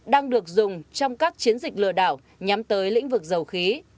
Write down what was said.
đang được dùng trong các chiến dịch lừa đảo nhắm tới lĩnh vực dầu khí